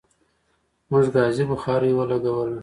موږ ګازی بخاری ولګوله